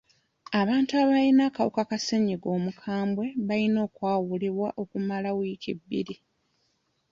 Abantu abayina akawuka ka ssenyiga omukambwe bayina okwawulibwa okumala wiiki bbiri.